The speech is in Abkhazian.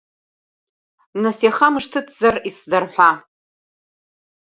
Нас иахамышҭыцзар, исзарҳәа…